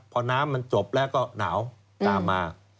พอน้ำมันจบแล้วก็หนาวตามมา